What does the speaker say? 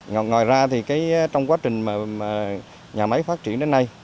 ngoài ra trong quá trình nhà máy phát triển đến nay